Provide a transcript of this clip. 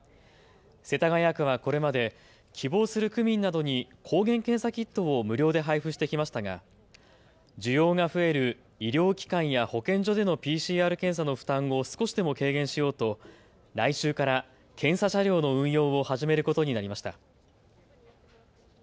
世田谷区はこれまで希望する区民などに抗原検査キットを無料で配布してきましたが需要が増える医療機関や保健所でのＰＣＲ検査の負担を少しでも軽減しようと来週から検査車両の運用を始めることになりました。